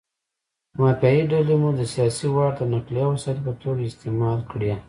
مافیایي ډلې مو د سیاسي واټ د نقلیه وسایطو په توګه استعمال کړي.